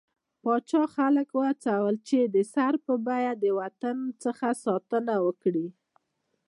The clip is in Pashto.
پاچا خلک له وهڅول، چې د سر په بيه د وطن څخه ساتنه وکړي.